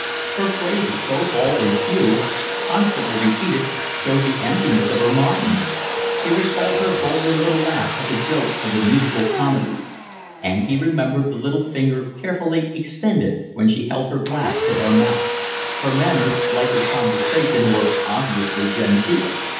Her phrases, so bald and few, constantly repeated, showed the emptiness of her mind; he recalled her vulgar little laugh at the jokes of the musical comedy; and he remembered the little finger carefully extended when she held her glass to her mouth; her manners like her conversation, were odiously genteel.